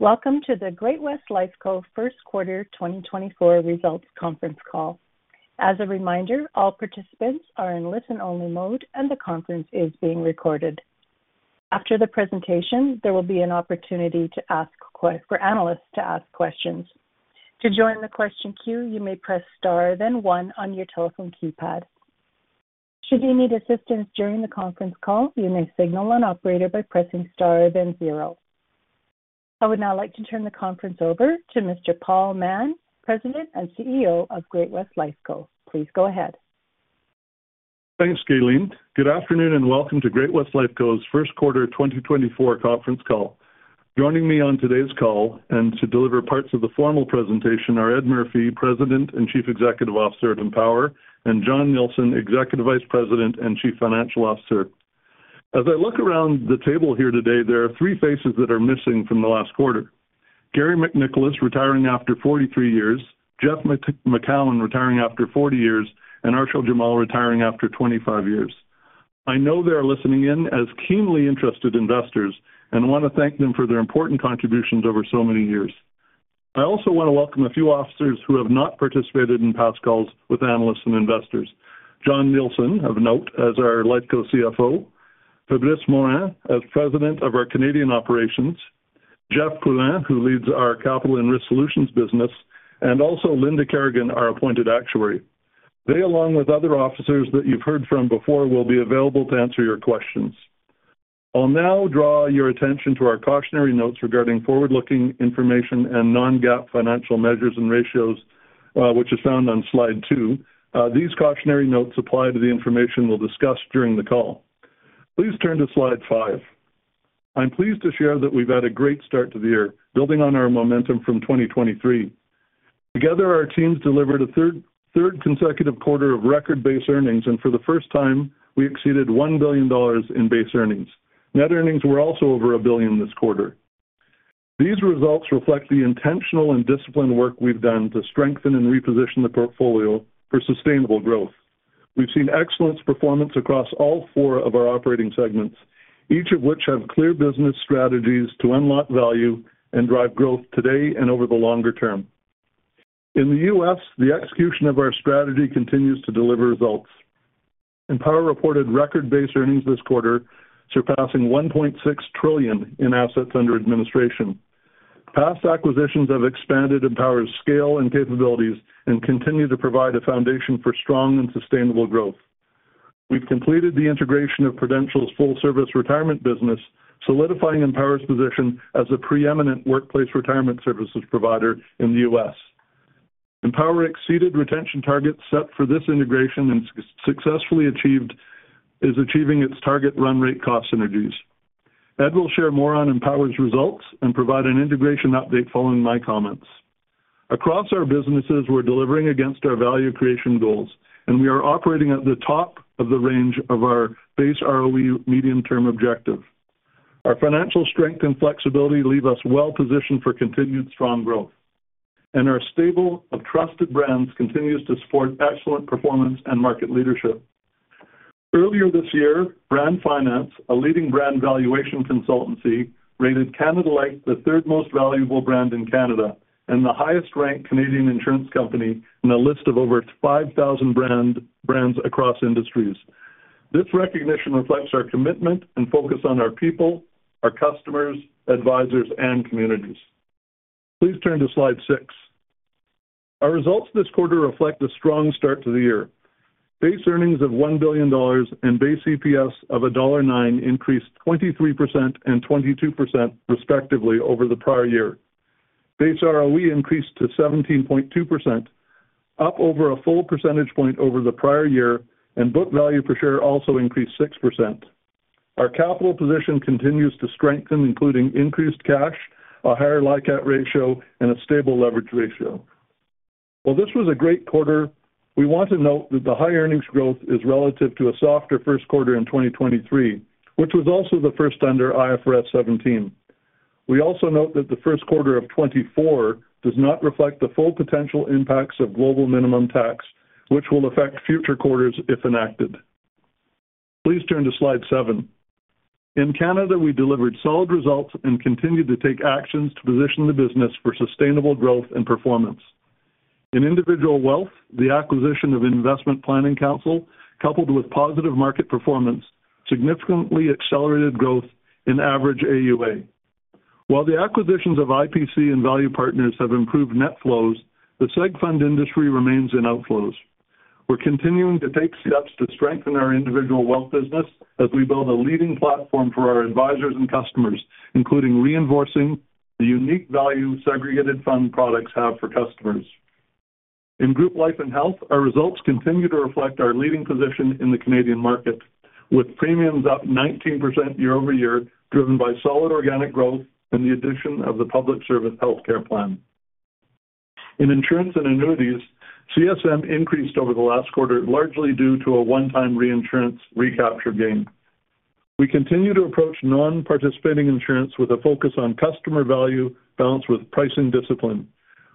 Welcome to the Great-West Lifeco First Quarter 2024 Results Conference Call. As a reminder, all participants are in listen-only mode, and the conference is being recorded. After the presentation, there will be an opportunity to ask questions, for analysts to ask questions. To join the question queue, you may press star, then one on your telephone keypad. Should you need assistance during the conference call, you may signal an operator by pressing star, then zero. I would now like to turn the conference over to Mr. Paul Mahon, President and CEO of Great-West Lifeco. Please go ahead. Thanks, Gaylene. Good afternoon, and welcome to Great-West Lifeco's First Quarter 2024 Conference Call. Joining me on today's call and to deliver parts of the formal presentation are Ed Murphy, President and Chief Executive Officer of Empower, and Jon Nielsen, Executive Vice President and Chief Financial Officer. As I look around the table here today, there are three faces that are missing from the last quarter: Garry MacNicholas, retiring after 43 years, Jeff Macoun, retiring after 40 years, and Arshil Jamal, retiring after 25 years. I know they are listening in as keenly interested investors, and want to thank them for their important contributions over so many years. I also want to welcome a few officers who have not participated in past calls with analysts and investors. Jon Nielsen, of note, as our Lifeco CFO, Fabrice Morin as President of our Canadian Operations, Jeff Poulin, who leads our Capital and Risk Solutions business, and also Linda Kerrigan, our Appointed Actuary. They, along with other officers that you've heard from before, will be available to answer your questions. I'll now draw your attention to our cautionary notes regarding forward-looking information and non-GAAP financial measures and ratios, which is found on slide two. These cautionary notes apply to the information we'll discuss during the call. Please turn to slide five. I'm pleased to share that we've had a great start to the year, building on our momentum from 2023. Together, our teams delivered a third consecutive quarter of record base earnings, and for the first time, we exceeded $1 billion in base earnings. Net earnings were also over $1 billion this quarter. These results reflect the intentional and disciplined work we've done to strengthen and reposition the portfolio for sustainable growth. We've seen excellent performance across all four of our operating segments, each of which have clear business strategies to unlock value and drive growth today and over the longer term. In the U.S., the execution of our strategy continues to deliver results. Empower reported record base earnings this quarter, surpassing $1.6 trillion in assets under administration. Past acquisitions have expanded Empower's scale and capabilities and continue to provide a foundation for strong and sustainable growth. We've completed the integration of Prudential's full-service retirement business, solidifying Empower's position as a preeminent workplace retirement services provider in the U.S. Empower exceeded retention targets set for this integration and successfully is achieving its target run rate cost synergies. Ed will share more on Empower's results and provide an integration update following my comments. Across our businesses, we're delivering against our value creation goals, and we are operating at the top of the range of our Base ROE medium-term objective. Our financial strength and flexibility leave us well positioned for continued strong growth, and our stable of trusted brands continues to support excellent performance and market leadership. Earlier this year, Brand Finance, a leading brand valuation consultancy, rated Canada Life the third most valuable brand in Canada and the highest-ranked Canadian insurance company in a list of over 5,000 brands across industries. This recognition reflects our commitment and focus on our people, our customers, advisors, and communities. Please turn to slide six. Our results this quarter reflect a strong start to the year. Base earnings of $1 billion and base EPS of $1.09 increased 23% and 22%, respectively, over the prior year. Base ROE increased to 17.2%, up over a full percentage point over the prior year, and book value per share also increased 6%. Our capital position continues to strengthen, including increased cash, a higher LICAT ratio, and a stable leverage ratio. While this was a great quarter, we want to note that the high earnings growth is relative to a softer first quarter in 2023, which was also the first under IFRS 17. We also note that the first quarter of 2024 does not reflect the full potential impacts of global minimum tax, which will affect future quarters if enacted. Please turn to slide seven. In Canada, we delivered solid results and continued to take actions to position the business for sustainable growth and performance. In individual wealth, the acquisition of Investment Planning Counsel, coupled with positive market performance, significantly accelerated growth in average AUA. While the acquisitions of IPC and Value Partners have improved net flows, the seg fund industry remains in outflows. We're continuing to take steps to strengthen our individual wealth business as we build a leading platform for our advisors and customers, including reinforcing the unique value segregated fund products have for customers. In group life and health, our results continue to reflect our leading position in the Canadian market, with premiums up 19% year-over-year, driven by solid organic growth and the addition of the Public Service Health Care Plan. In insurance and annuities, CSM increased over the last quarter, largely due to a one-time reinsurance recapture gain. We continue to approach non-participating insurance with a focus on customer value balanced with pricing discipline.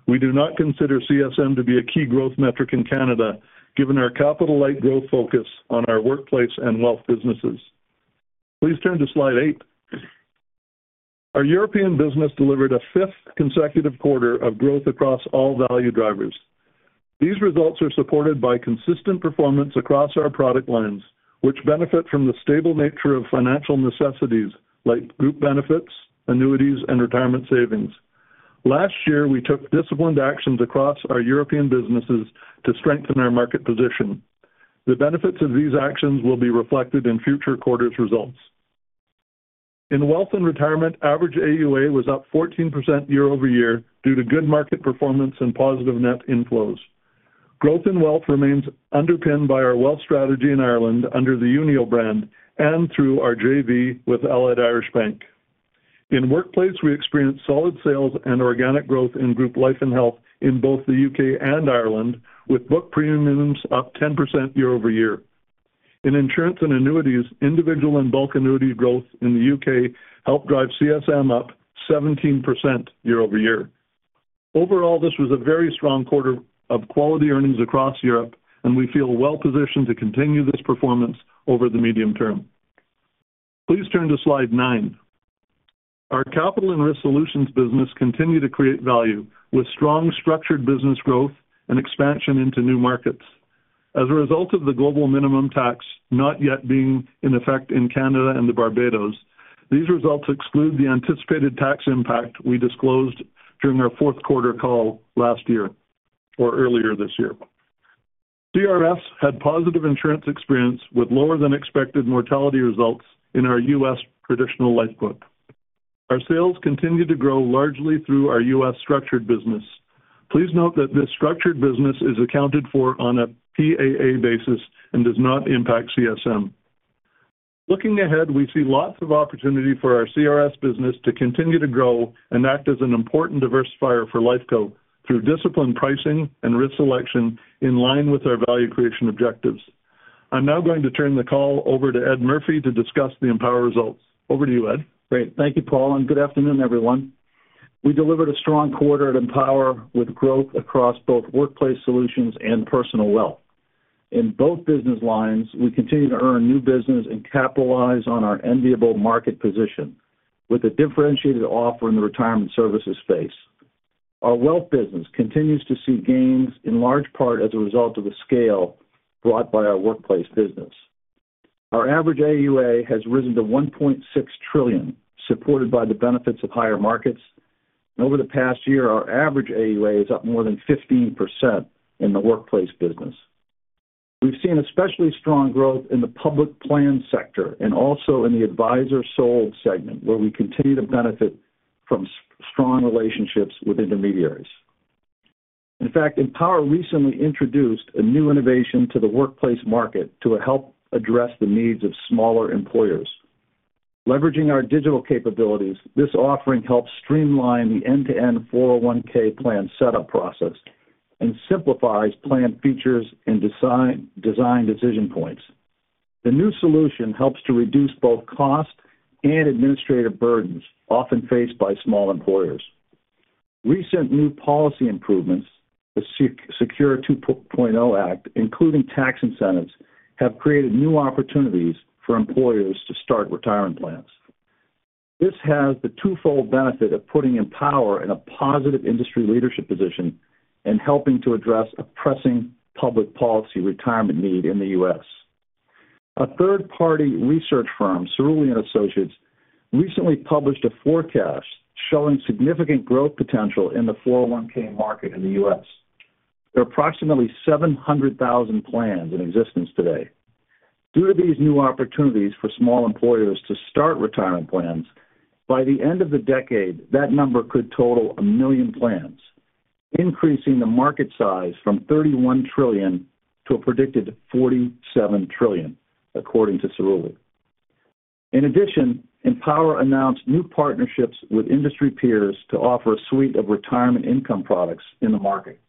We do not consider CSM to be a key growth metric in Canada, given our capital-light growth focus on our workplace and wealth businesses. Please turn to slide eight. Our European business delivered a fifth consecutive quarter of growth across all value drivers. These results are supported by consistent performance across our product lines, which benefit from the stable nature of financial necessities like group benefits, annuities, and retirement savings. Last year, we took disciplined actions across our European businesses to strengthen our market position. The benefits of these actions will be reflected in future quarters' results. In wealth and retirement, average AUA was up 14% year-over-year due to good market performance and positive net inflows. Growth in wealth remains underpinned by our wealth strategy in Ireland under the Unio brand and through our JV with Allied Irish Bank. In workplace, we experienced solid sales and organic growth in group life and health in both the U.K. and Ireland, with book premiums up 10% year-over-year. In insurance and annuities, individual and bulk annuity growth in the U.K. helped drive CSM up 17% year-over-year. Overall, this was a very strong quarter of quality earnings across Europe, and we feel well positioned to continue this performance over the medium term. Please turn to slide nine. Our capital and risk solutions business continued to create value, with strong structured business growth and expansion into new markets. As a result of the global minimum tax not yet being in effect in Canada and Barbados, these results exclude the anticipated tax impact we disclosed during our fourth quarter call last year or earlier this year. CRS had positive insurance experience with lower-than-expected mortality results in our U.S. traditional life book. Our sales continued to grow largely through our U.S. structured business. Please note that this structured business is accounted for on a PAA basis and does not impact CSM. Looking ahead, we see lots of opportunity for our CRS business to continue to grow and act as an important diversifier for Lifeco through disciplined pricing and risk selection in line with our value creation objectives. I'm now going to turn the call over to Ed Murphy to discuss the Empower results. Over to you, Ed. Great. Thank you, Paul, and good afternoon, everyone. We delivered a strong quarter at Empower, with growth across both workplace solutions and personal wealth. In both business lines, we continue to earn new business and capitalize on our enviable market position with a differentiated offer in the retirement services space. Our wealth business continues to see gains in large part as a result of the scale brought by our workplace business. Our average AUA has risen to $1.6 trillion, supported by the benefits of higher markets. And over the past year, our average AUA is up more than 15% in the workplace business. We've seen especially strong growth in the public plan sector and also in the advisor-sold segment, where we continue to benefit from strong relationships with intermediaries. In fact, Empower recently introduced a new innovation to the workplace market to help address the needs of smaller employers. Leveraging our digital capabilities, this offering helps streamline the end-to-end 401(k) plan setup process and simplifies plan features and design decision points. The new solution helps to reduce both cost and administrative burdens often faced by small employers. Recent new policy improvements, the SECURE 2.0 Act, including tax incentives, have created new opportunities for employers to start retirement plans. This has the twofold benefit of putting Empower in a positive industry leadership position and helping to address a pressing public policy retirement need in the US. A third-party research firm, Cerulli Associates, recently published a forecast showing significant growth potential in the 401(k) market in the US. There are approximately 700,000 plans in existence today. Due to these new opportunities for small employers to start retirement plans, by the end of the decade, that number could total 1 million plans, increasing the market size from $31 trillion to a predicted $47 trillion, according to Cerulli. In addition, Empower announced new partnerships with industry peers to offer a suite of retirement income products in the market.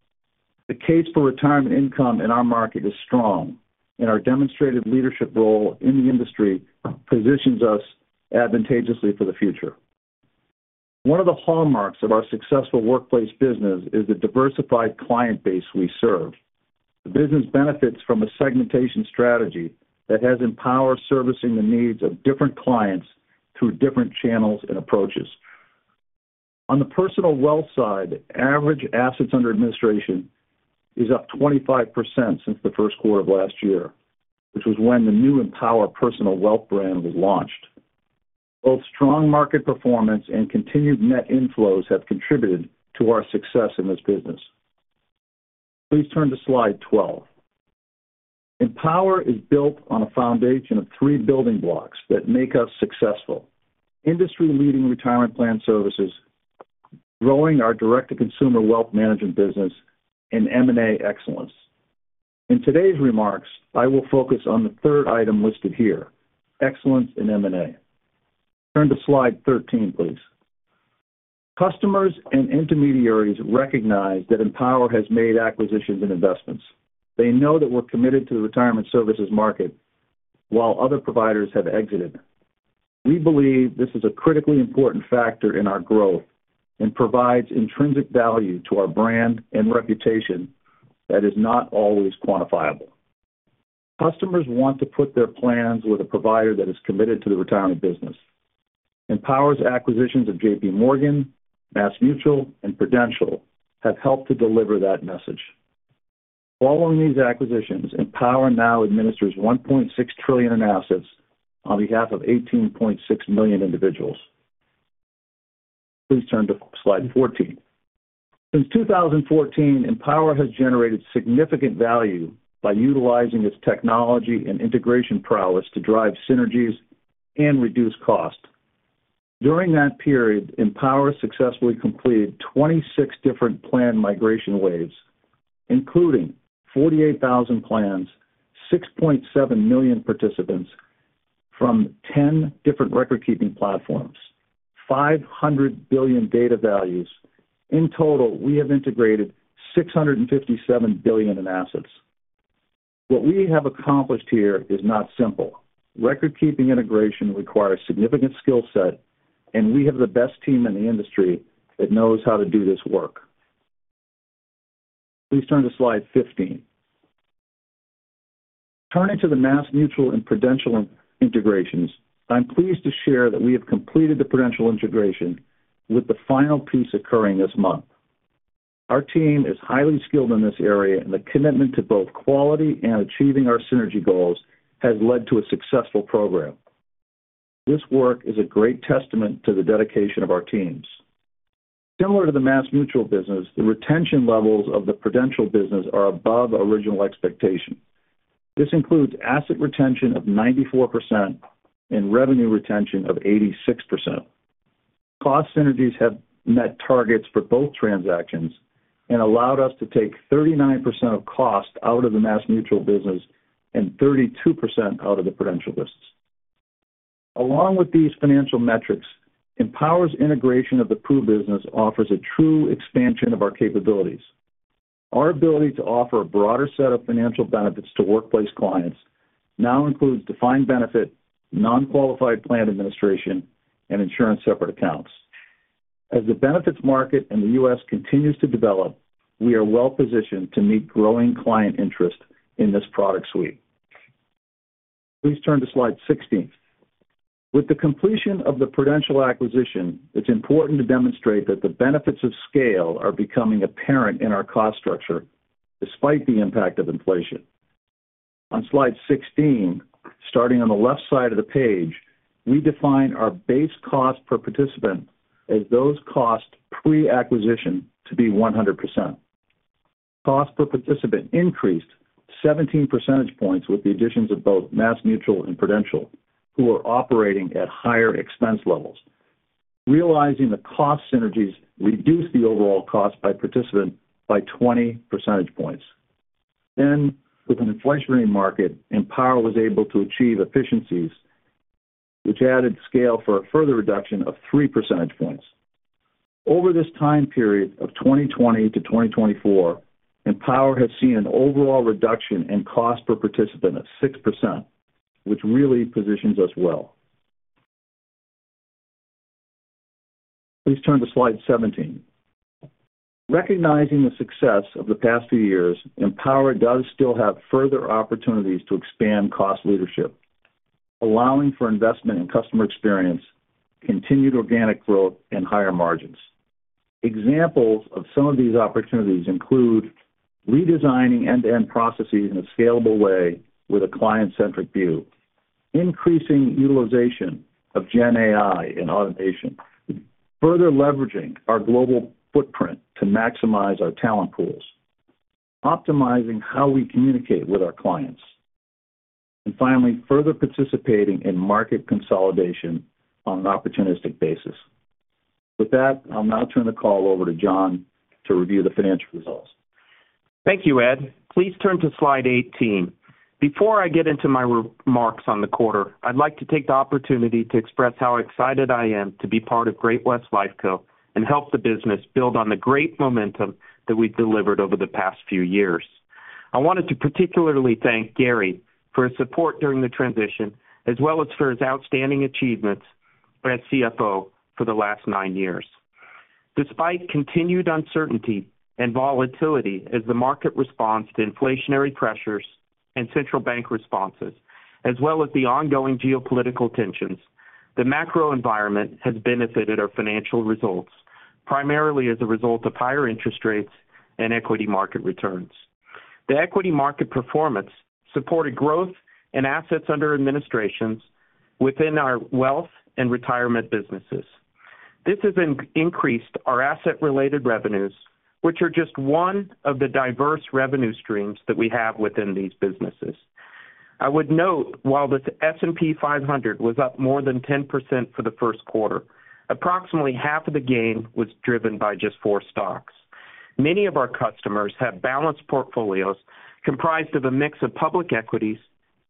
The case for retirement income in our market is strong, and our demonstrated leadership role in the industry positions us advantageously for the future. One of the hallmarks of our successful workplace business is the diversified client base we serve. The business benefits from a segmentation strategy that has Empower servicing the needs of different clients through different channels and approaches. On the personal wealth side, average assets under administration is up 25% since the first quarter of last year, which was when the new Empower Personal Wealth brand was launched. Both strong market performance and continued net inflows have contributed to our success in this business. Please turn to slide 12. Empower is built on a foundation of three building blocks that make us successful: industry-leading retirement plan services, growing our direct-to-consumer wealth management business, and M&A excellence. In today's remarks, I will focus on the third item listed here, excellence in M&A. Turn to slide 13, please. Customers and intermediaries recognize that Empower has made acquisitions and investments. They know that we're committed to the retirement services market, while other providers have exited.... We believe this is a critically important factor in our growth and provides intrinsic value to our brand and reputation that is not always quantifiable. Customers want to put their plans with a provider that is committed to the retirement business. Empower's acquisitions of J.P. Morgan, MassMutual, and Prudential have helped to deliver that message. Following these acquisitions, Empower now administers $1.6 trillion in assets on behalf of 18.6 million individuals. Please turn to slide 14. Since 2014, Empower has generated significant value by utilizing its technology and integration prowess to drive synergies and reduce cost. During that period, Empower successfully completed 26 different plan migration waves, including 48,000 plans, 6.7 million participants from 10 different record-keeping platforms, 500 billion data values. In total, we have integrated $657 billion in assets. What we have accomplished here is not simple. Record-keeping integration requires significant skill set, and we have the best team in the industry that knows how to do this work. Please turn to slide 15. Turning to the MassMutual and Prudential integrations, I'm pleased to share that we have completed the Prudential integration, with the final piece occurring this month. Our team is highly skilled in this area, and the commitment to both quality and achieving our synergy goals has led to a successful program. This work is a great testament to the dedication of our teams. Similar to the MassMutual business, the retention levels of the Prudential business are above original expectation. This includes asset retention of 94% and revenue retention of 86%. Cost synergies have met targets for both transactions and allowed us to take 39% of cost out of the MassMutual business and 32% out of the Prudential business. Along with these financial metrics, Empower's integration of the Prudential business offers a true expansion of our capabilities. Our ability to offer a broader set of financial benefits to workplace clients now includes defined benefit, non-qualified plan administration, and insurance separate accounts. As the benefits market in the U.S. continues to develop, we are well positioned to meet growing client interest in this product suite. Please turn to slide 16. With the completion of the Prudential acquisition, it's important to demonstrate that the benefits of scale are becoming apparent in our cost structure despite the impact of inflation. On slide 16, starting on the left side of the page, we define our base cost per participant as those costs pre-acquisition to be 100%. Cost per participant increased 17 percentage points with the additions of both MassMutual and Prudential, who are operating at higher expense levels. Realizing the cost synergies reduced the overall cost by participant by 20 percentage points. With an inflationary market, Empower was able to achieve efficiencies which added scale for a further reduction of three percentage points. Over this time period of 2020-2024, Empower has seen an overall reduction in cost per participant of 6%, which really positions us well. Please turn to slide 17. Recognizing the success of the past few years, Empower does still have further opportunities to expand cost leadership, allowing for investment in customer experience, continued organic growth, and higher margins. Examples of some of these opportunities include redesigning end-to-end processes in a scalable way with a client-centric view, increasing utilization of GenAI and automation, further leveraging our global footprint to maximize our talent pools, optimizing how we communicate with our clients, and finally, further participating in market consolidation on an opportunistic basis. With that, I'll now turn the call over to Jon to review the financial results. Thank you, Ed. Please turn to slide 18. Before I get into my remarks on the quarter, I'd like to take the opportunity to express how excited I am to be part of Great-West Lifeco and help the business build on the great momentum that we've delivered over the past few years. I wanted to particularly thank Garry for his support during the transition, as well as for his outstanding achievements as CFO for the last nine years. Despite continued uncertainty and volatility as the market responds to inflationary pressures and central bank responses, as well as the ongoing geopolitical tensions, the macro environment has benefited our financial results, primarily as a result of higher interest rates and equity market returns. The equity market performance supported growth in assets under administration within our wealth and retirement businesses. This has increased our asset-related revenues, which are just one of the diverse revenue streams that we have within these businesses. I would note, while the S&P 500 was up more than 10% for the first quarter, approximately half of the gain was driven by just four stocks. Many of our customers have balanced portfolios comprised of a mix of public equities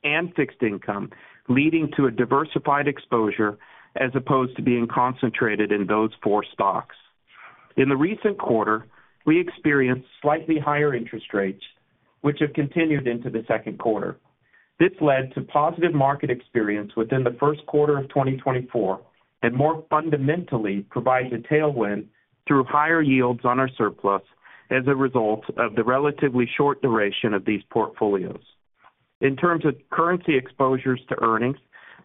and fixed income, leading to a diversified exposure as opposed to being concentrated in those four stocks. In the recent quarter, we experienced slightly higher interest rates, which have continued into the second quarter. This led to positive market experience within the first quarter of 2024, and more fundamentally, provided a tailwind through higher yields on our surplus as a result of the relatively short duration of these portfolios. In terms of currency exposures to earnings,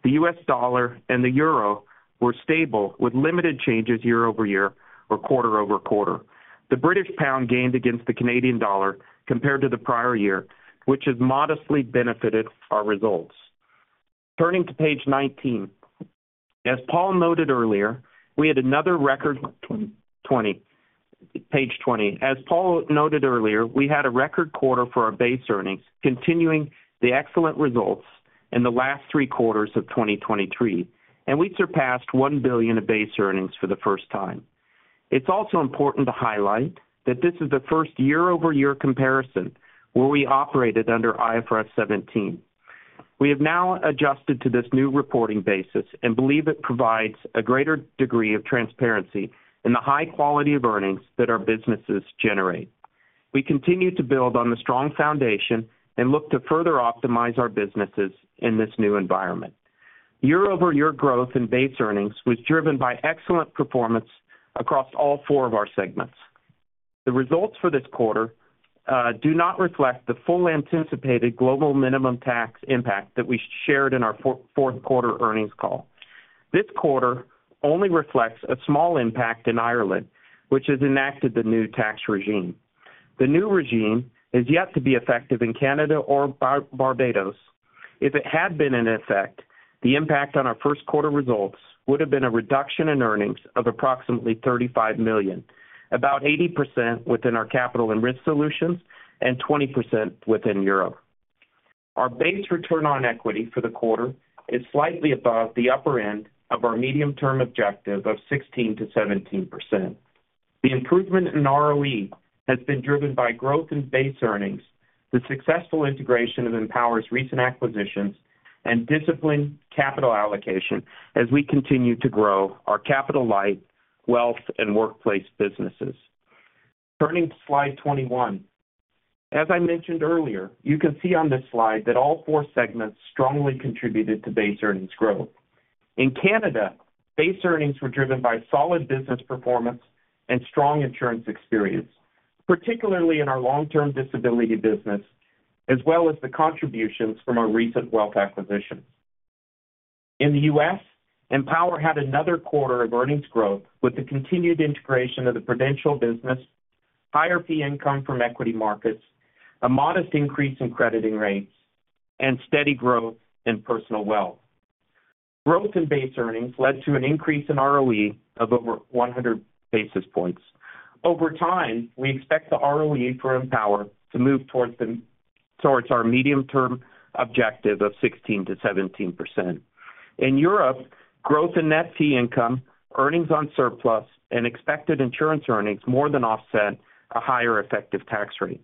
the U.S. dollar and the euro were stable, with limited changes year-over-year or quarter-over-quarter. The British pound gained against the Canadian dollar compared to the prior year, which has modestly benefited our results. Turning to page 20. As Paul noted earlier, we had a record quarter for our base earnings, continuing the excellent results in the last three quarters of 2023, and we surpassed $1 billion of base earnings for the first time. It's also important to highlight that this is the first year-over-year comparison where we operated under IFRS 17. We have now adjusted to this new reporting basis and believe it provides a greater degree of transparency in the high quality of earnings that our businesses generate. We continue to build on the strong foundation and look to further optimize our businesses in this new environment. Year-over-year growth in base earnings was driven by excellent performance across all 4 of our segments. The results for this quarter do not reflect the full anticipated global minimum tax impact that we shared in our fourth quarter earnings call. This quarter only reflects a small impact in Ireland, which has enacted the new tax regime. The new regime is yet to be effective in Canada or Barbados. If it had been in effect, the impact on our first quarter results would have been a reduction in earnings of approximately $35 million, about 80% within our capital and risk solutions and 20% within Europe. Our base return on equity for the quarter is slightly above the upper end of our medium-term objective of 16%-17%. The improvement in ROE has been driven by growth in base earnings, the successful integration of Empower's recent acquisitions, and disciplined capital allocation as we continue to grow our capital light, wealth, and workplace businesses. Turning to slide 21. As I mentioned earlier, you can see on this slide that all four segments strongly contributed to base earnings growth. In Canada, base earnings were driven by solid business performance and strong insurance experience, particularly in our long-term disability business, as well as the contributions from our recent wealth acquisitions. In the U.S., Empower had another quarter of earnings growth with the continued integration of the Prudential business, higher fee income from equity markets, a modest increase in crediting rates, and steady growth in personal wealth. Growth in base earnings led to an increase in ROE of over 100 basis points. Over time, we expect the ROE for Empower to move towards our medium-term objective of 16%-17%. In Europe, growth in net fee income, earnings on surplus, and expected insurance earnings more than offset a higher effective tax rate.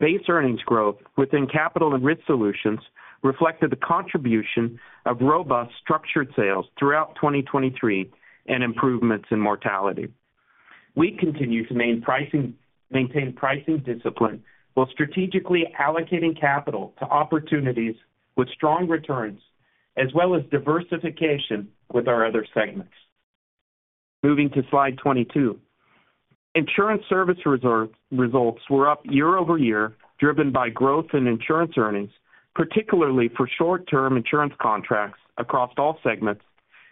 Base earnings growth within capital and risk solutions reflected the contribution of robust structured sales throughout 2023 and improvements in mortality. We continue to maintain pricing discipline while strategically allocating capital to opportunities with strong returns, as well as diversification with our other segments. Moving to slide 22. Insurance service reserve results were up year-over-year, driven by growth in insurance earnings, particularly for short-term insurance contracts across all segments,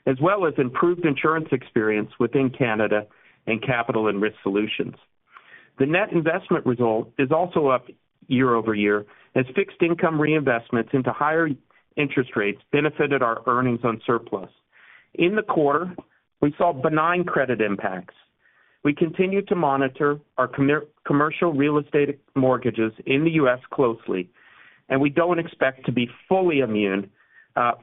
as well as improved insurance experience within Canada and capital and risk solutions. The net investment result is also up year-over-year, as fixed income reinvestments into higher interest rates benefited our earnings on surplus. In the quarter, we saw benign credit impacts. We continue to monitor our commercial real estate mortgages in the U.S. closely, and we don't expect to be fully immune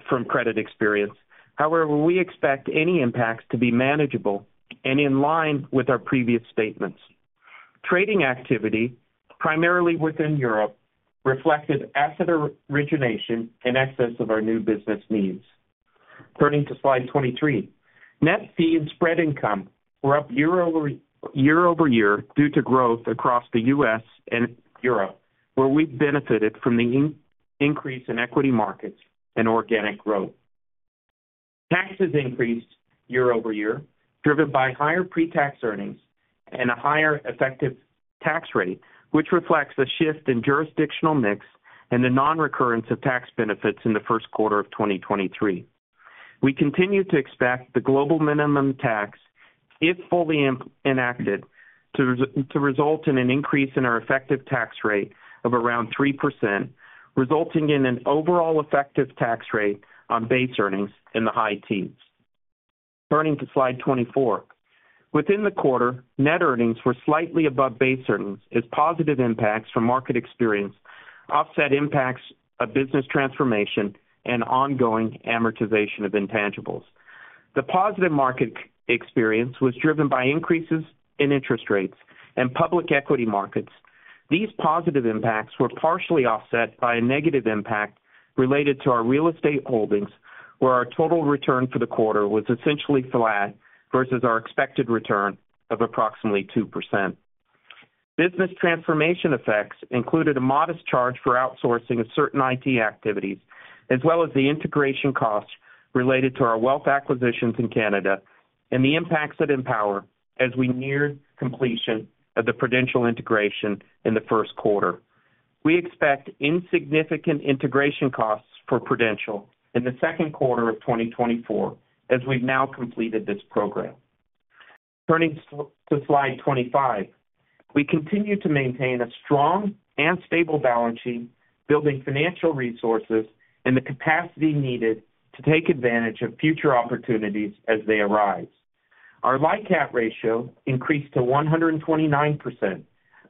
from credit experience. However, we expect any impacts to be manageable and in line with our previous statements. Trading activity, primarily within Europe, reflected asset origination in excess of our new business needs. Turning to slide 23. Net fee and spread income were up year-over-year due to growth across the U.S. and Europe, where we benefited from the increase in equity markets and organic growth. Taxes increased year-over-year, driven by higher pre-tax earnings and a higher effective tax rate, which reflects a shift in jurisdictional mix and the non-recurrence of tax benefits in the first quarter of 2023. We continue to expect the global minimum tax, if fully enacted, to result in an increase in our effective tax rate of around 3%, resulting in an overall effective tax rate on base earnings in the high teens. Turning to slide 24. Within the quarter, net earnings were slightly above base earnings, as positive impacts from market experience offset impacts of business transformation and ongoing amortization of intangibles. The positive market experience was driven by increases in interest rates and public equity markets.... These positive impacts were partially offset by a negative impact related to our real estate holdings, where our total return for the quarter was essentially flat versus our expected return of approximately 2%. Business transformation effects included a modest charge for outsourcing of certain IT activities, as well as the integration costs related to our wealth acquisitions in Canada and the impacts at Empower as we near completion of the Prudential integration in the first quarter. We expect insignificant integration costs for Prudential in the second quarter of 2024, as we've now completed this program. Turning to slide 25, we continue to maintain a strong and stable balance sheet, building financial resources and the capacity needed to take advantage of future opportunities as they arise. Our LICAT ratio increased to 129%,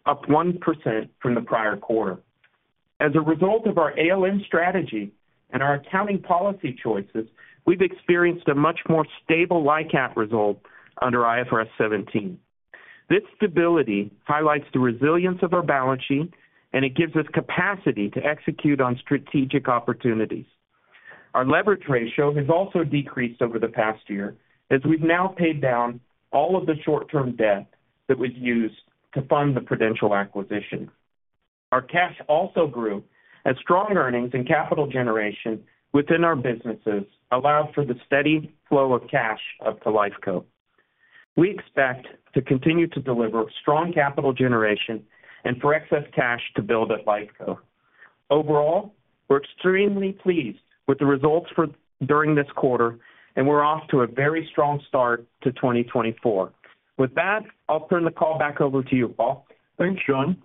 up 1% from the prior quarter. As a result of our ALM strategy and our accounting policy choices, we've experienced a much more stable LICAT result under IFRS 17. This stability highlights the resilience of our balance sheet, and it gives us capacity to execute on strategic opportunities. Our levered ratio has also decreased over the past year as we've now paid down all of the short-term debt that was used to fund the Prudential acquisition. Our cash also grew as strong earnings and capital generation within our businesses allow for the steady flow of cash up to Lifeco. We expect to continue to deliver strong capital generation and for excess cash to build at Lifeco. Overall, we're extremely pleased with the results for, during this quarter, and we're off to a very strong start to 2024. With that, I'll turn the call back over to you, Paul. Thanks, Jon.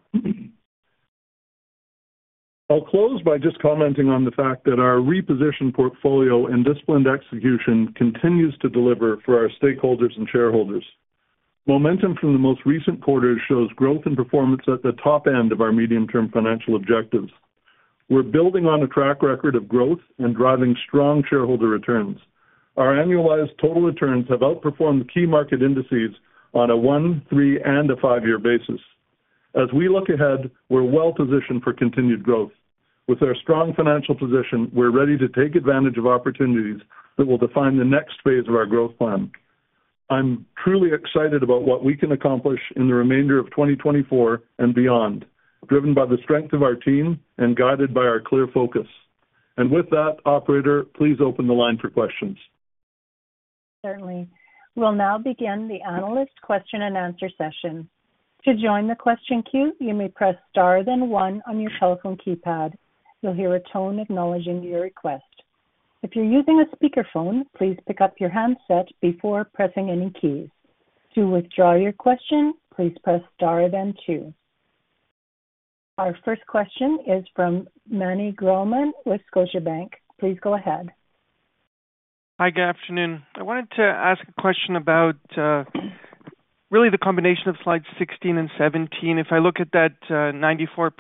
I'll close by just commenting on the fact that our repositioned portfolio and disciplined execution continues to deliver for our stakeholders and shareholders. Momentum from the most recent quarter shows growth and performance at the top end of our medium-term financial objectives. We're building on a track record of growth and driving strong shareholder returns. Our annualized total returns have outperformed key market indices on a one-, three-, and five-year basis. As we look ahead, we're well positioned for continued growth. With our strong financial position, we're ready to take advantage of opportunities that will define the next phase of our growth plan. I'm truly excited about what we can accomplish in the remainder of 2024 and beyond, driven by the strength of our team and guided by our clear focus. With that, operator, please open the line for questions. Certainly. We'll now begin the analyst question-and-answer session. To join the question queue, you may press star then one on your telephone keypad. You'll hear a tone acknowledging your request. If you're using a speakerphone, please pick up your handset before pressing any keys. To withdraw your question, please press star then two. Our first question is from Meny Grauman with Scotiabank. Please go ahead. Hi, good afternoon. I wanted to ask a question about, really the combination of slides 16 and 17. If I look at that, 94%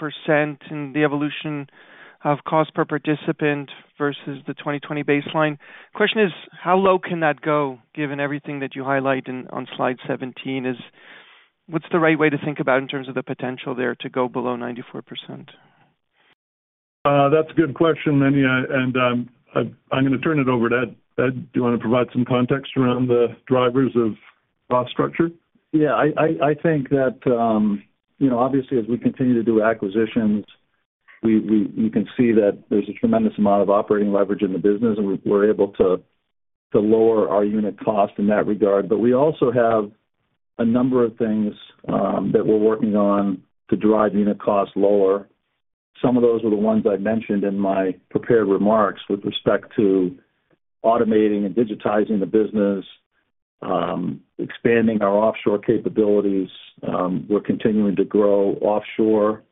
and the evolution of cost per participant versus the 2020 baseline, question is: How low can that go, given everything that you highlight in -- on slide 17? Is -- what's the right way to think about in terms of the potential there to go below 94%? That's a good question, Meny, and I'm gonna turn it over to Ed. Ed, do you want to provide some context around the drivers of cost structure? Yeah, I think that, you know, obviously, as we continue to do acquisitions, we -- you can see that there's a tremendous amount of operating leverage in the business, and we're able to lower our unit cost in that regard. But we also have a number of things that we're working on to drive unit costs lower. Some of those are the ones I mentioned in my prepared remarks with respect to automating and digitizing the business, expanding our offshore capabilities. We're continuing to grow offshore,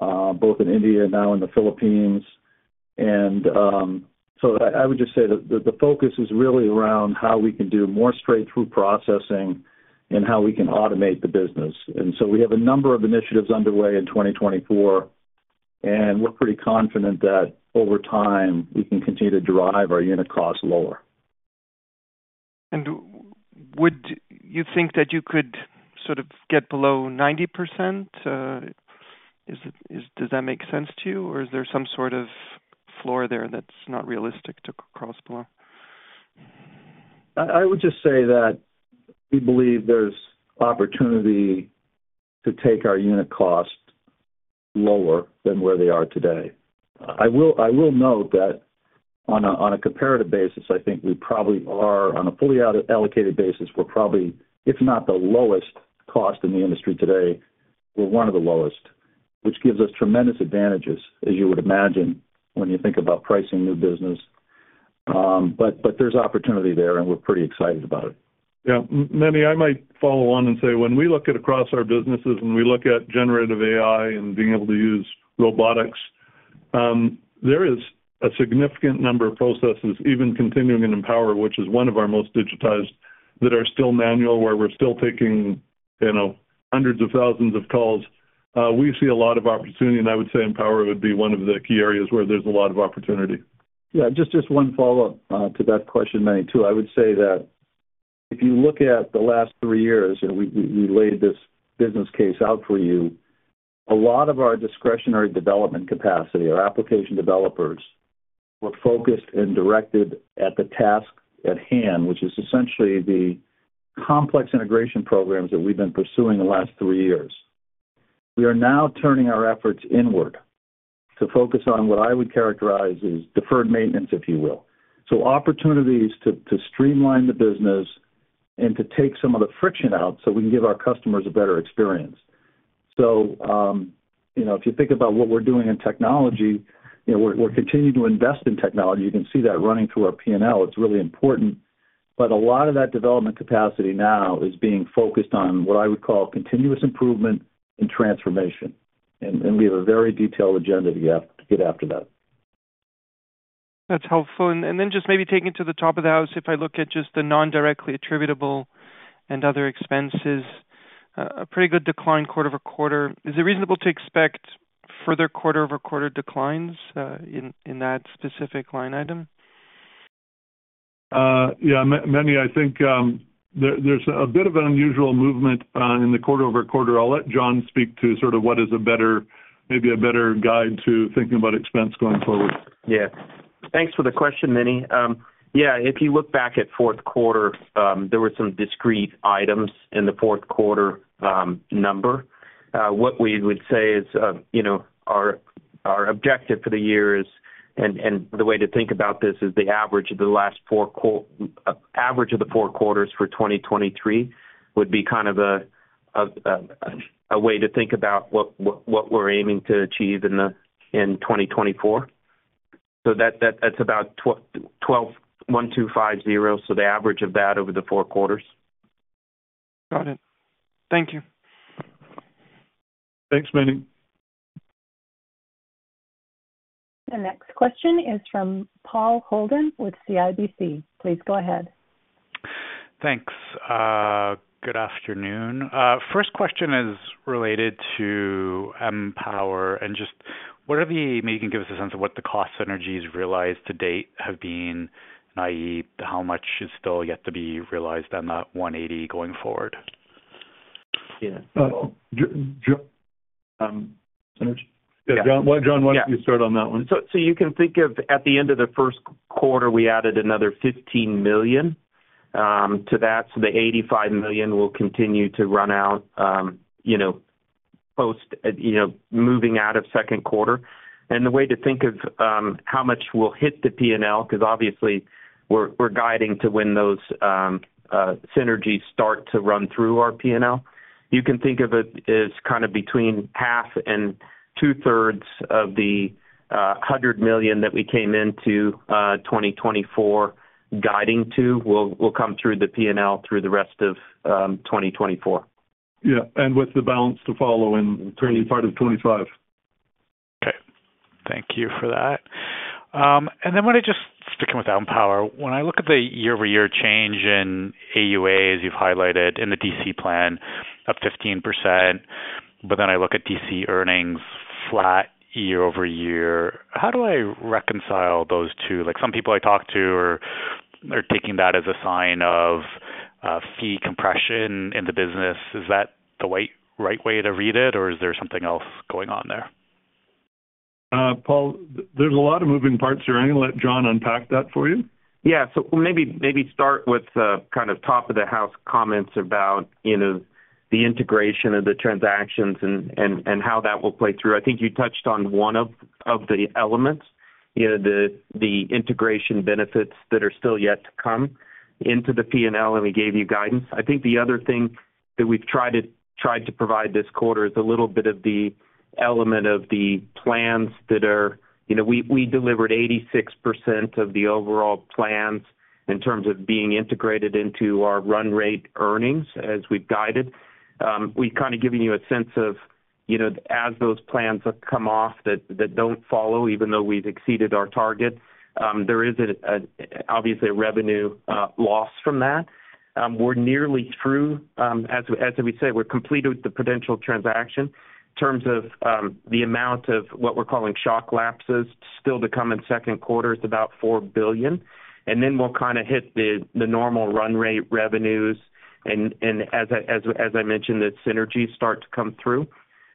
both in India and now in the Philippines. And, so I would just say that the focus is really around how we can do more straight-through processing and how we can automate the business. We have a number of initiatives underway in 2024, and we're pretty confident that over time, we can continue to drive our unit costs lower. And would you think that you could sort of get below 90%? Is it, does that make sense to you, or is there some sort of floor there that's not realistic to cross below? I would just say that we believe there's opportunity to take our unit costs lower than where they are today. I will note that on a comparative basis, I think we probably are on a fully allocated basis; we're probably, if not the lowest cost in the industry today, we're one of the lowest, which gives us tremendous advantages, as you would imagine, when you think about pricing new business. But there's opportunity there, and we're pretty excited about it. Yeah, Meny, I might follow on and say when we look at across our businesses and we look at generative AI and being able to use robotics, there is a significant number of processes, even continuing in Empower, which is one of our most digitized, that are still manual, where we're still taking, you know, hundreds of thousands of calls. We see a lot of opportunity, and I would say Empower would be one of the key areas where there's a lot of opportunity. Yeah, just one follow-up to that question, Meny, too. I would say that if you look at the last three years, and we laid this business case out for you, a lot of our discretionary development capacity, our application developers, were focused and directed at the task at hand, which is essentially the complex integration programs that we've been pursuing the last three years. We are now turning our efforts inward to focus on what I would characterize as deferred maintenance, if you will. So opportunities to streamline the business and to take some of the friction out so we can give our customers a better experience. So, you know, if you think about what we're doing in technology, you know, we're continuing to invest in technology. You can see that running through our P&L. It's really important. But a lot of that development capacity now is being focused on what I would call continuous improvement and transformation, and we have a very detailed agenda to get after that. That's helpful. And then, just maybe taking to the top of the house, if I look at just the non-directly attributable and other expenses, a pretty good decline quarter-over-quarter. Is it reasonable to expect further quarter-over-quarter declines in that specific line item? Yeah, Meny, I think, there, there's a bit of an unusual movement in the quarter-over-quarter. I'll let Jon speak to sort of what is a better, maybe a better guide to thinking about expense going forward. Yeah. Thanks for the question, Meny. Yeah, if you look back at fourth quarter, there were some discrete items in the fourth quarter number. What we would say is, you know, our objective for the year is, and the way to think about this is the average of the four quarters for 2023 would be kind of a way to think about what we're aiming to achieve in 2024. So that, that's about $12.1250, so the average of that over the four quarters. Got it. Thank you. Thanks, Meny. The next question is from Paul Holden with CIBC. Please go ahead. Thanks. Good afternoon. First question is related to Empower, and just wonder if you maybe can give us a sense of what the cost synergies realized to date have been, i.e., how much is still yet to be realized on that $180 million going forward? Yeah. Synergies? Yeah. Yeah, Jon, why don't you start on that one? So you can think of, at the end of the first quarter, we added another $15 million to that. So the $85 million will continue to run out, you know, post, you know, moving out of second quarter. And the way to think of how much will hit the P&L, because obviously we're guiding to when those synergies start to run through our P&L. You can think of it as kind of between half and two thirds of the $100 million that we came into 2024 guiding to, will come through the P&L through the rest of 2024. Yeah, with the balance to follow in the early part of 2025. Okay. Thank you for that. And then want to just sticking with Empower. When I look at the year-over-year change in AUAs, you've highlighted in the DC plan up 15%, but then I look at DC earnings flat year-over-year, how do I reconcile those two? Like, some people I talk to are taking that as a sign of fee compression in the business. Is that the right way to read it, or is there something else going on there? Paul, there's a lot of moving parts here. I'm going to let Jon unpack that for you. Yeah. So maybe start with the kind of top of the house comments about, you know, the integration of the transactions and how that will play through. I think you touched on one of the elements, you know, the integration benefits that are still yet to come into the P&L, and we gave you guidance. I think the other thing that we've tried to provide this quarter is a little bit of the element of the plans that are... You know, we delivered 86% of the overall plans in terms of being integrated into our run rate earnings, as we've guided. We've kind of given you a sense of, you know, as those plans have come off that don't follow, even though we've exceeded our targets, there is obviously a revenue loss from that. We're nearly through, as we said, we're complete with the Prudential transaction. In terms of the amount of what we're calling shock lapses, still to come in second quarter is about $4 billion. And then we'll kind of hit the normal run rate revenues and as I mentioned, the synergies start to come through.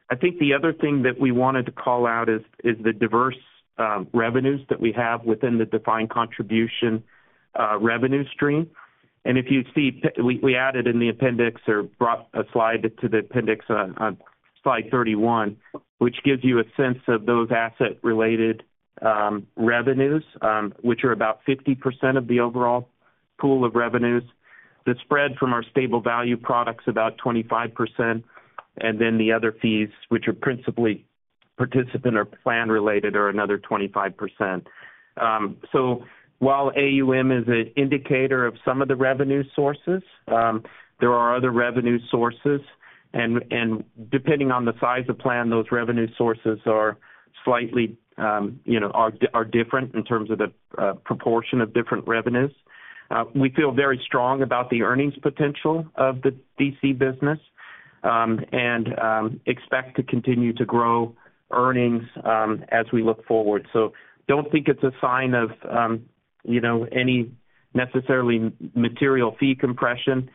I think the other thing that we wanted to call out is the diverse revenues that we have within the defined contribution revenue stream. And if you see, we added in the appendix or brought a slide to the appendix on slide 31, which gives you a sense of those asset-related revenues, which are about 50% of the overall pool of revenues. The spread from our stable value product's about 25%, and then the other fees, which are principally participant or plan-related, are another 25%. So while AUM is an indicator of some of the revenue sources, there are other revenue sources, and depending on the size of plan, those revenue sources are slightly, you know, different in terms of the proportion of different revenues. We feel very strong about the earnings potential of the DC business.... and expect to continue to grow earnings as we look forward. So, don't think it's a sign of, you know, any necessarily material fee compression,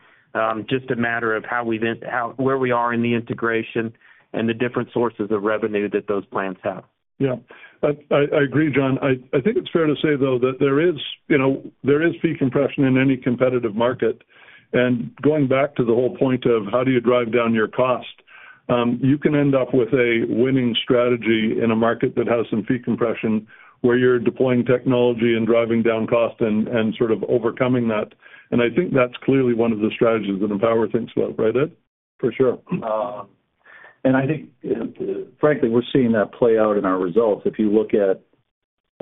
just a matter of where we are in the integration and the different sources of revenue that those plans have. Yeah. I agree, Jon. I think it's fair to say, though, that there is, you know, there is fee compression in any competitive market. And going back to the whole point of how do you drive down your cost, you can end up with a winning strategy in a market that has some fee compression, where you're deploying technology and driving down cost and sort of overcoming that. And I think that's clearly one of the strategies that Empower thinks about, right, Ed? For sure. I think, frankly, we're seeing that play out in our results. If you look at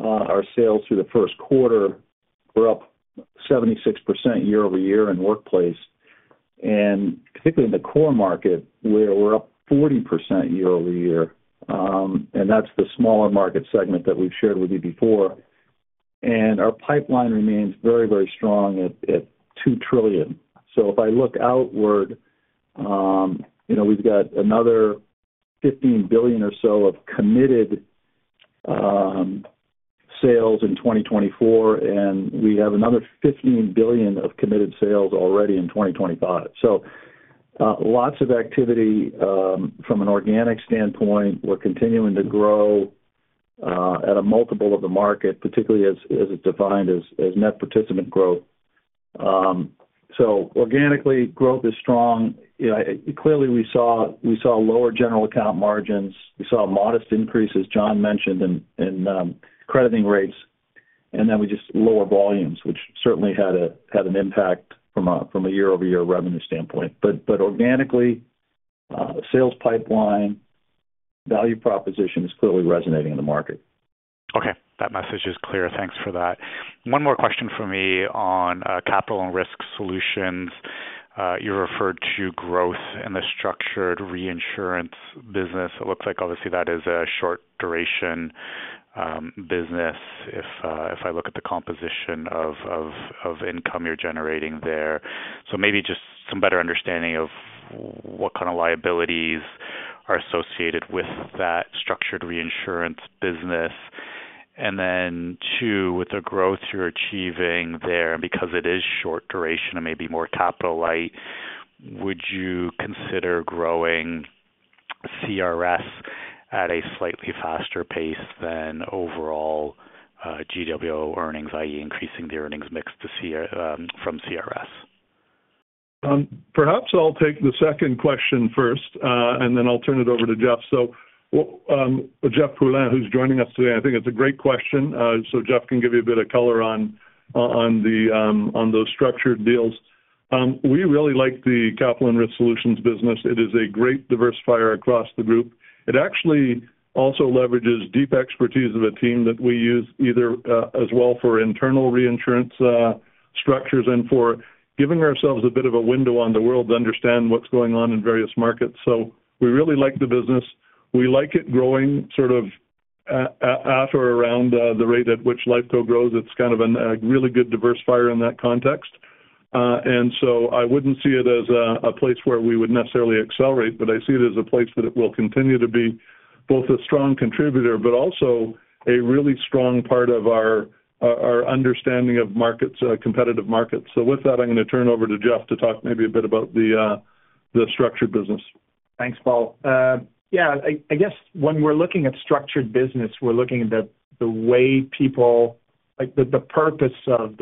our sales through the first quarter, we're up 76% year-over-year in workplace, and particularly in the core market, where we're up 40% year-over-year. And that's the smaller market segment that we've shared with you before. Our pipeline remains very, very strong at $2 trillion. So if I look outward, you know, we've got another $15 billion or so of committed sales in 2024, and we have another $15 billion of committed sales already in 2025. So lots of activity from an organic standpoint. We're continuing to grow at a multiple of the market, particularly as it's defined as net participant growth. So organically, growth is strong. You know, clearly, we saw, we saw lower general account margins. We saw a modest increase, as Jon mentioned, in crediting rates, and then we just lower volumes, which certainly had an impact from a year-over-year revenue standpoint. But organically, sales pipeline, value proposition is clearly resonating in the market. Okay, that message is clear. Thanks for that. One more question for me on capital and risk solutions. You referred to growth in the structured reinsurance business. It looks like obviously that is a short duration business, if I look at the composition of income you're generating there. So maybe just some better understanding of what kind of liabilities are associated with that structured reinsurance business. And then, two, with the growth you're achieving there, because it is short duration and maybe more capital light, would you consider growing CRS at a slightly faster pace than overall GWO earnings, i.e., increasing the earnings mix to CRS from CRS? Perhaps I'll take the second question first, and then I'll turn it over to Jeff. So, Jeff Poulin, who's joining us today, I think it's a great question. So Jeff can give you a bit of color on those structured deals. We really like the capital and risk solutions business. It is a great diversifier across the group. It actually also leverages deep expertise of a team that we use either as well for internal reinsurance structures and for giving ourselves a bit of a window on the world to understand what's going on in various markets. So we really like the business. We like it growing sort of at or around the rate at which Lifeco grows. It's kind of a really good diversifier in that context. And so I wouldn't see it as a place where we would necessarily accelerate, but I see it as a place that it will continue to be both a strong contributor, but also a really strong part of our understanding of markets, competitive markets. So with that, I'm gonna turn over to Jeff to talk maybe a bit about the structured business. Thanks, Paul. Yeah, I guess when we're looking at structured business, we're looking at the way people like the purpose of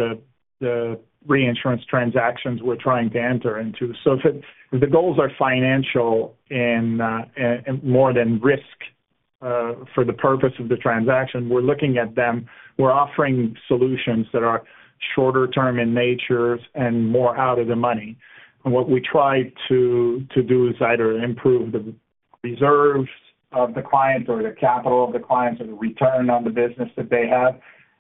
the reinsurance transactions we're trying to enter into. So if the goals are financial and more than risk for the purpose of the transaction, we're looking at them. We're offering solutions that are shorter term in nature and more out of the money. And what we try to do is either improve the reserves of the client or the capital of the clients or the return on the business that they have,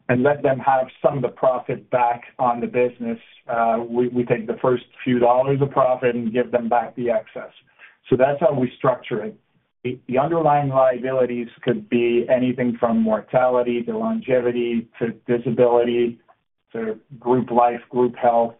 and let them have some of the profit back on the business. We take the first few dollars of profit and give them back the excess. So that's how we structure it. The underlying liabilities could be anything from mortality to longevity to disability to group life, group health.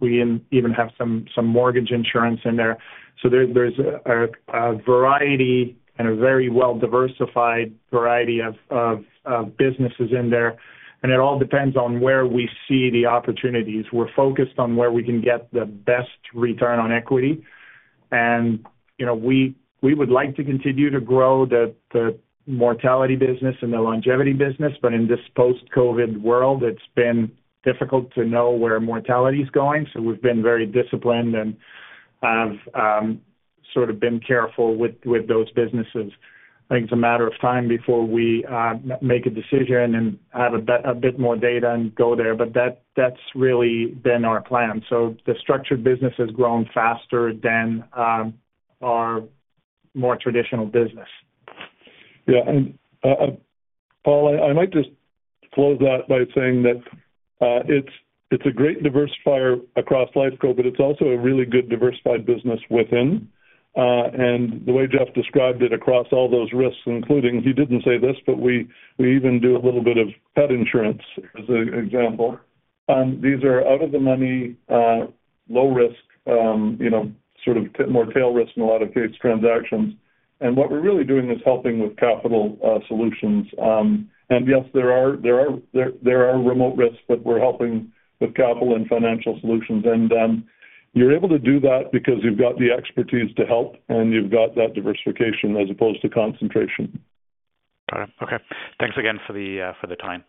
We even have some mortgage insurance in there. So there's a variety and a very well-diversified variety of businesses in there, and it all depends on where we see the opportunities. We're focused on where we can get the best return on equity. You know, we would like to continue to grow the mortality business and the longevity business, but in this post-COVID world, it's been difficult to know where mortality is going, so we've been very disciplined and have sort of been careful with those businesses. I think it's a matter of time before we make a decision and have a bit more data and go there, but that's really been our plan. The structured business has grown faster than our more traditional business. Yeah, and, Paul, I might just close that by saying that, it's a great diversifier across Lifeco, but it's also a really good diversified business within. And the way Jeff described it across all those risks, including, he didn't say this, but we even do a little bit of pet insurance, as an example.… These are out of the money, low risk, you know, sort of more tail risk in a lot of case transactions. And what we're really doing is helping with capital solutions. And yes, there are remote risks, but we're helping with capital and financial solutions. And you're able to do that because you've got the expertise to help, and you've got that diversification as opposed to concentration. Got it. Okay. Thanks again for the time.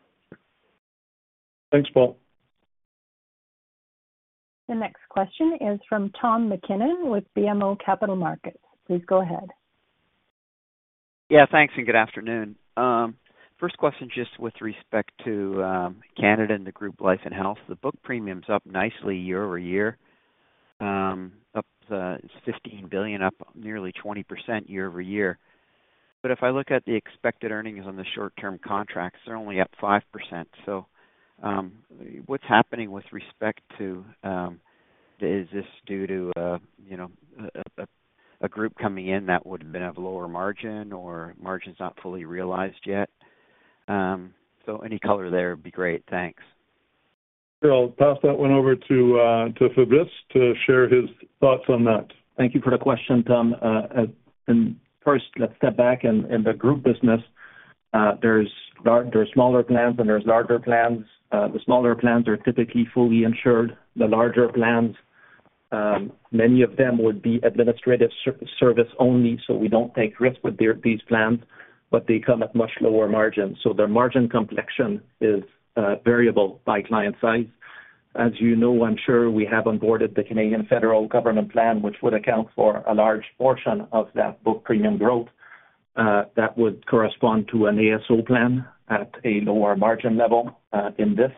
Thanks, Paul. The next question is from Tom MacKinnon with BMO Capital Markets. Please go ahead. Yeah, thanks, and good afternoon. First question, just with respect to Canada and the Group Life and Health. The book premium's up nicely year-over-year, up to $15 billion, up nearly 20% year-over-year. But if I look at the expected earnings on the short-term contracts, they're only up 5%. So, what's happening with respect to, is this due to, you know, a group coming in that would have been of lower margin or margins not fully realized yet? So any color there would be great. Thanks. Sure. I'll pass that one over to Fabrice to share his thoughts on that. Thank you for the question, Tom. And first, let's step back. In the group business, there's smaller plans, and there's larger plans. The smaller plans are typically fully insured. The larger plans, many of them would be administrative service only, so we don't take risks with their, these plans, but they come at much lower margins. So their margin complexion is variable by client size. As you know, I'm sure we have onboarded the Canadian federal government plan, which would account for a large portion of that book premium growth, that would correspond to an ASO plan at a lower margin level, in this.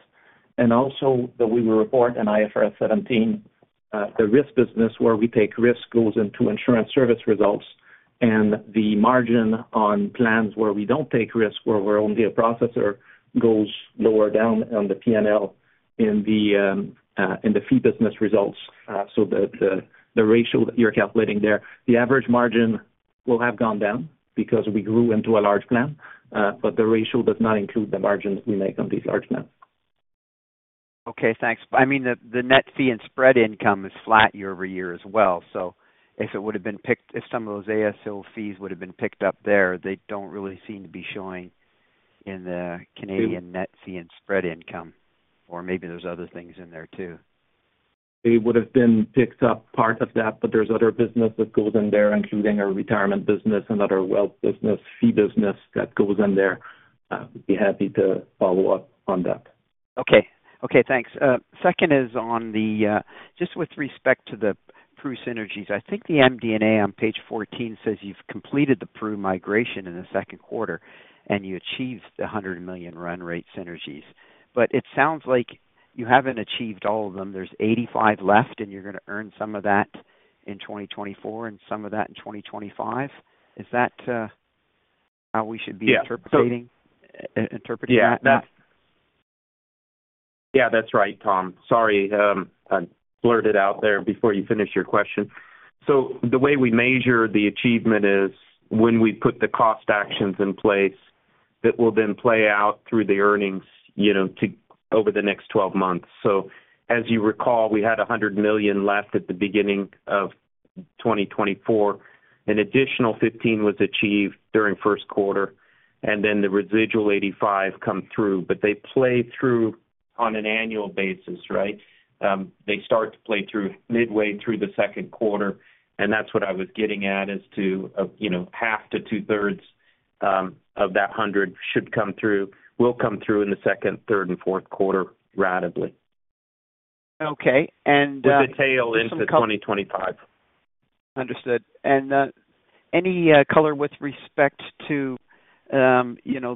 Also, that we will report an IFRS 17, the risk business, where we take risk, goes into insurance service results, and the margin on plans where we don't take risk, where we're only a processor, goes lower down on the P&L in the fee business results. So the ratio that you're calculating there, the average margin will have gone down because we grew into a large plan, but the ratio does not include the margins we make on these large plans. Okay, thanks. I mean, the net fee and spread income is flat year-over-year as well. So if some of those ASO fees would have been picked up there, they don't really seem to be showing in the Canadian net fee and spread income, or maybe there's other things in there, too. It would have been picked up part of that, but there's other business that goes in there, including our retirement business and other wealth business, fee business that goes in there. We'd be happy to follow up on that. Okay. Okay, thanks. Second is on the, just with respect to the Pru synergies. I think the MD&A on page 14 says you've completed the Pru migration in the second quarter, and you achieved the $100 million run rate synergies. But it sounds like you haven't achieved all of them. There's $85 million left, and you're going to earn some of that in 2024 and some of that in 2025. Is that how we should be- Yeah... interpreting, interpreting that? Yeah, that's right, Tom. Sorry, I blurted out there before you finished your question. So the way we measure the achievement is when we put the cost actions in place, that will then play out through the earnings, you know, to over the next 12 months. So as you recall, we had $100 million left at the beginning of 2024. An additional $15 million was achieved during first quarter, and then the residual $85 million come through. But they play through on an annual basis, right? They start to play through midway through the second quarter, and that's what I was getting at, as to, you know, half to two-thirds of that hundred should come through, will come through in the second, third, and fourth quarter ratably. Okay, and, With the tail into 2025. Understood. And any color with respect to, you know,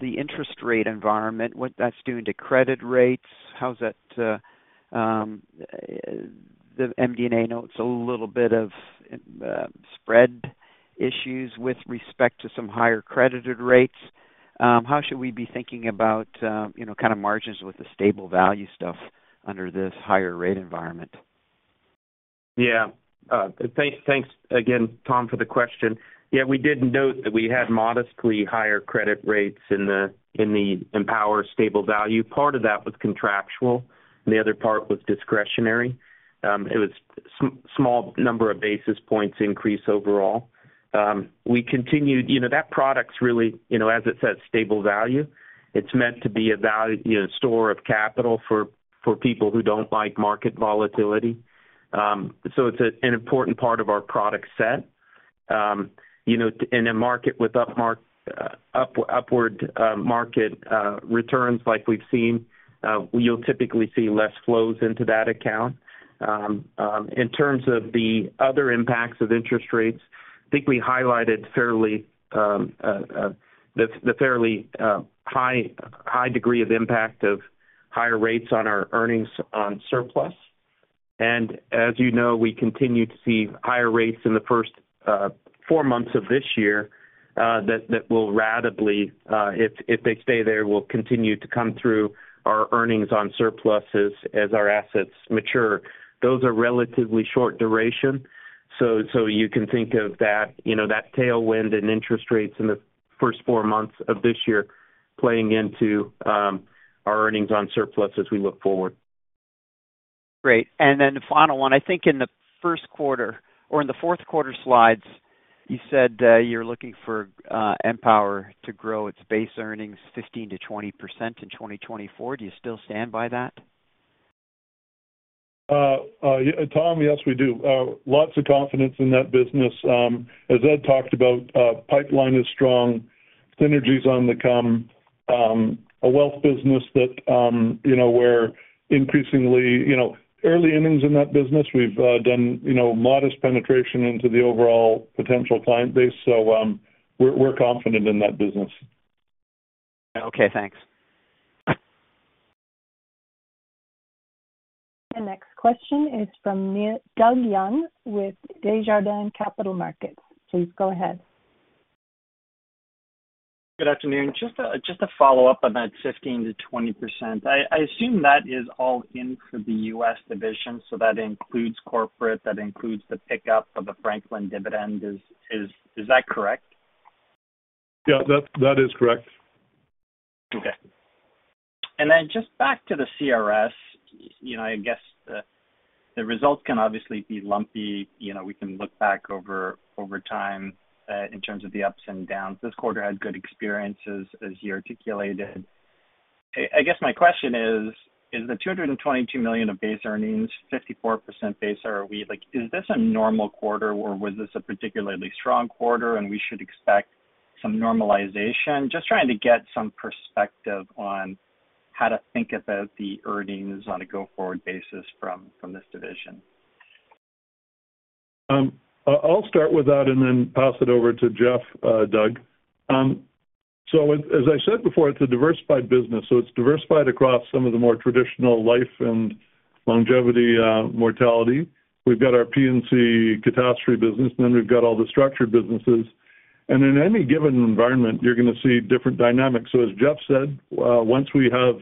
the interest rate environment, what that's doing to credit rates? How's that, the MD&A notes a little bit of spread issues with respect to some higher credited rates. How should we be thinking about, you know, kind of margins with the stable value stuff under this higher rate environment? Yeah. Thanks, thanks again, Tom, for the question. Yeah, we did note that we had modestly higher credit rates in the Empower Stable Value. Part of that was contractual, and the other part was discretionary. It was small number of basis points increase overall. You know, that product's really, you know, as it says, stable value. It's meant to be a value, you know, store of capital for people who don't like market volatility. So it's an important part of our product set. You know, in a market with upward market returns, like we've seen, you'll typically see less flows into that account. In terms of the other impacts of interest rates, I think we highlighted fairly the fairly high degree of impact of higher rates on our earnings on surplus. And as you know, we continue to see higher rates in the first four months of this year, that will ratably, if they stay there, will continue to come through our earnings on surpluses as our assets mature. Those are relatively short duration.... So you can think of that, you know, that tailwind and interest rates in the first four months of this year playing into our earnings on surplus as we look forward. Great. And then the final one, I think in the first quarter or in the fourth quarter slides, you said, you're looking for Empower to grow its base earnings 15%-20% in 2024. Do you still stand by that? Tom, yes, we do. Lots of confidence in that business. As Ed talked about, pipeline is strong, synergies on the come, a wealth business that, you know, we're increasingly, you know, early innings in that business. We've done, you know, modest penetration into the overall potential client base. So, we're confident in that business. Okay, thanks. The next question is from Doug Young, with Desjardins Capital Markets. Please go ahead. Good afternoon. Just to follow up on that 15%-20%. I assume that is all in for the U.S. division, so that includes corporate, that includes the pickup of the Franklin dividend. Is that correct? Yeah, that, that is correct. Okay. And then just back to the CRS, you know, I guess, the results can obviously be lumpy. You know, we can look back over time in terms of the ups and downs. This quarter had good experiences, as you articulated. I guess my question is, is the $222 million of base earnings 54% base or are we like—is this a normal quarter, or was this a particularly strong quarter and we should expect some normalization? Just trying to get some perspective on how to think about the earnings on a go-forward basis from this division. I'll start with that and then pass it over to Jeff, Doug. So as I said before, it's a diversified business, so it's diversified across some of the more traditional life and longevity, mortality. We've got our P&C catastrophe business, and then we've got all the structured businesses. And in any given environment, you're going to see different dynamics. So as Jeff said, once we have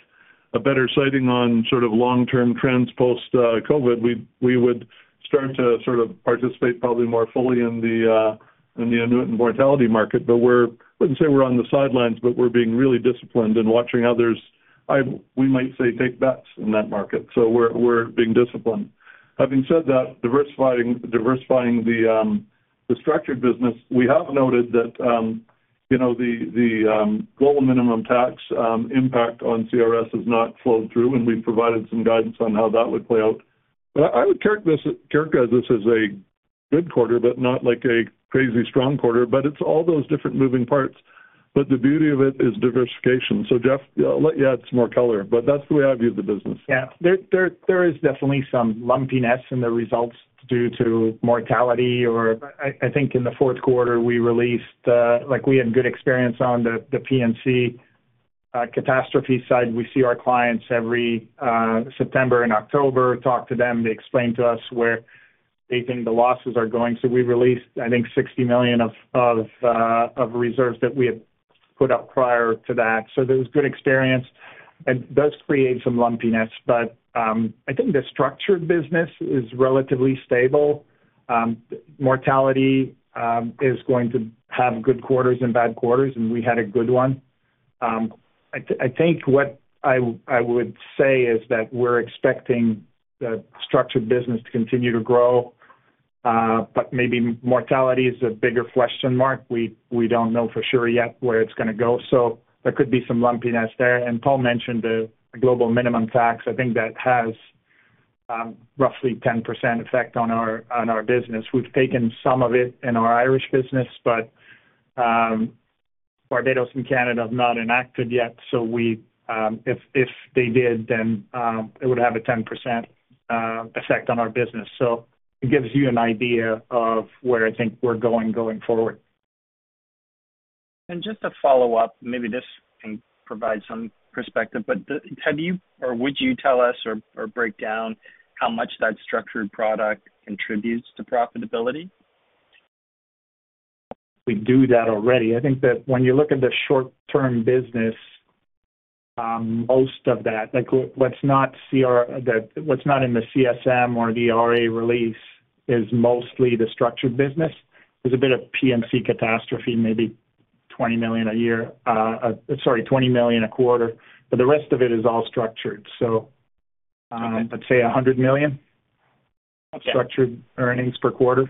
a better sighting on sort of long-term trends post COVID, we would start to sort of participate probably more fully in the annuitant mortality market. But I wouldn't say we're on the sidelines, but we're being really disciplined and watching others. We might say take bets in that market, so we're being disciplined. Having said that, diversifying the structured business, we have noted that, you know, the global minimum tax impact on CRS has not flowed through, and we've provided some guidance on how that would play out. But I would characterize this as a good quarter, but not like a crazy strong quarter, but it's all those different moving parts. But the beauty of it is diversification. So Jeff, I'll let you add some more color, but that's the way I view the business. Yeah. There is definitely some lumpiness in the results due to mortality, or I think in the fourth quarter, we released, like, we had good experience on the P&C catastrophe side. We see our clients every September and October, talk to them. They explain to us where they think the losses are going. So we released, I think, $60 million of reserves that we had put up prior to that. So there was good experience, and it does create some lumpiness. But, I think the structured business is relatively stable. Mortality is going to have good quarters and bad quarters, and we had a good one. I think what I would say is that we're expecting the structured business to continue to grow, but maybe mortality is a bigger question mark. We don't know for sure yet where it's going to go, so there could be some lumpiness there. Paul mentioned the global minimum tax. I think that has roughly 10% effect on our business. We've taken some of it in our Irish business, but Barbados and Canada have not enacted yet. So if they did, then it would have a 10% effect on our business. So it gives you an idea of where I think we're going forward. Just to follow up, maybe this can provide some perspective, but have you or would you tell us or, or break down how much that structured product contributes to profitability? We do that already. I think that when you look at the short-term business, most of that, like, what's not in the CSM or the RA release is mostly the structured business. There's a bit of P&C catastrophe, maybe $20 million a year, sorry, $20 million a quarter, but the rest of it is all structured. So, I'd say $100 million- Okay. - structured earnings per quarter.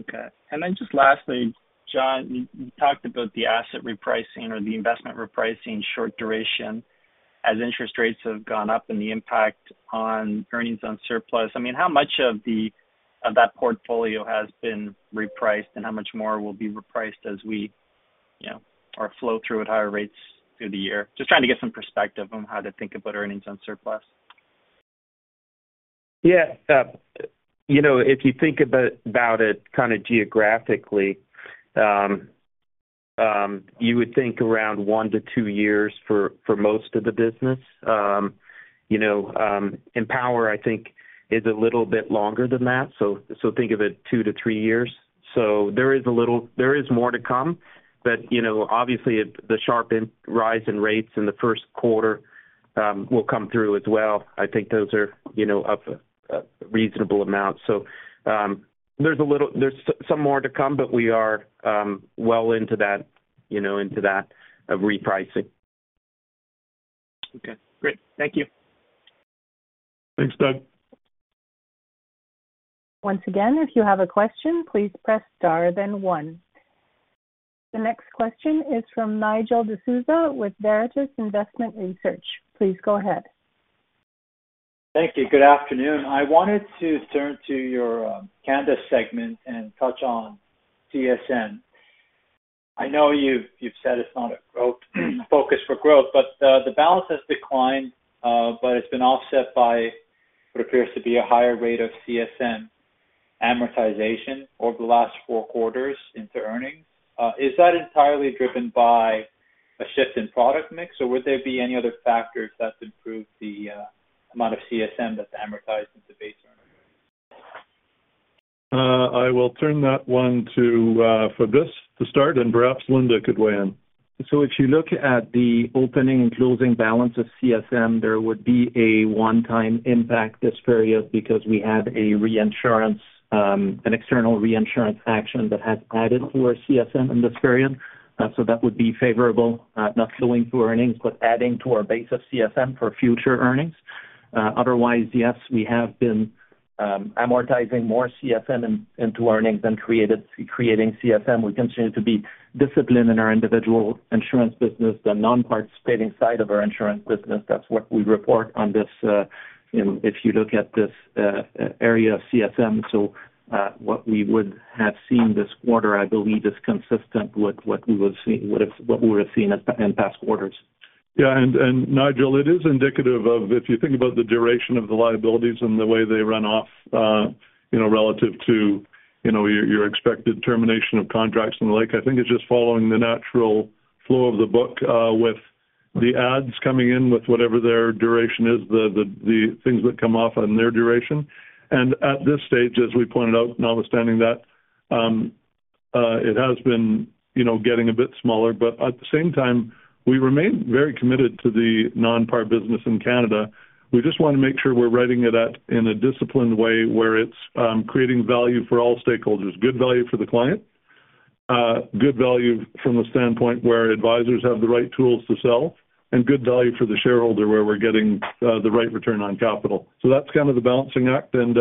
Okay. Then just lastly, Jon, you talked about the asset repricing or the investment repricing short duration as interest rates have gone up and the impact on earnings on surplus. I mean, how much of that portfolio has been repriced and how much more will be repriced as we, you know, or flow through at higher rates through the year? Just trying to get some perspective on how to think about earnings on surplus. Yeah, you know, if you think about it kind of geographically, you would think around one to two years for most of the business. You know, Empower, I think, is a little bit longer than that. So think of it two to three years. So there is a little more to come, but, you know, obviously, the sharp increase in rates in the first quarter.... will come through as well. I think those are, you know, up a reasonable amount. So, there's some more to come, but we are well into that, you know, into that repricing. Okay, great. Thank you. Thanks, Doug. Once again, if you have a question, please press star, then one. The next question is from Nigel D'Souza with Veritas Investment Research. Please go ahead. Thank you. Good afternoon. I wanted to turn to your, Canada segment and touch on CSM. I know you've, you've said it's not a growth, focus for growth, but the, the balance has declined, but it's been offset by what appears to be a higher rate of CSM amortization over the last four quarters into earnings. Is that entirely driven by a shift in product mix, or would there be any other factors that's improved the, amount of CSM that's amortized into base earnings? I will turn that one to Fabrice to start, and perhaps Linda could weigh in. So if you look at the opening and closing balance of CSM, there would be a one-time impact this period because we had a reinsurance, an external reinsurance action that has added to our CSM in this period. So that would be favorable, not flowing through earnings, but adding to our base of CSM for future earnings. Otherwise, yes, we have been amortizing more CSM into earnings than created, creating CSM. We continue to be disciplined in our individual insurance business, the nonparticipating side of our insurance business. That's what we report on this, you know, if you look at this area of CSM. So, what we would have seen this quarter, I believe, is consistent with what we would see, what it's, what we would have seen at, in past quarters. Yeah, and Nigel, it is indicative of if you think about the duration of the liabilities and the way they run off, you know, relative to, you know, your expected termination of contracts and the like. I think it's just following the natural flow of the book, with the adds coming in, with whatever their duration is, the things that come off on their duration. And at this stage, as we pointed out, notwithstanding that, it has been, you know, getting a bit smaller. But at the same time, we remain very committed to the non-par business in Canada. We just want to make sure we're writing it at, in a disciplined way, where it's creating value for all stakeholders, good value for the client, good value from the standpoint where advisors have the right tools to sell, and good value for the shareholder, where we're getting the right return on capital. So that's kind of the balancing act, and